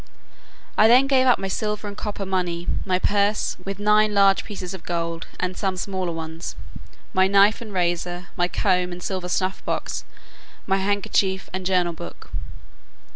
I then gave up my silver and copper money, my purse, with nine large pieces of gold, and some smaller ones; my knife and razor, my comb and silver snuff box, my handkerchief and journal book.